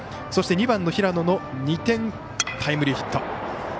そして、２番の平野の２点タイムリーヒット。